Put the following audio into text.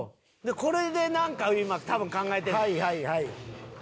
「これでなんか今多分考えてんねん」